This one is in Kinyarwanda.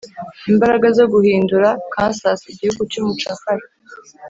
imbaraga zo guhindura kansas igihugu cyumucakara